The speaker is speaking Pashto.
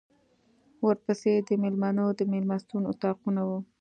ورپسې د مېلمنو د مېلمستون اطاقونه و.